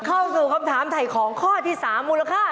เข้าสู่คำถามถ่ายของข้อที่๓มูลค่า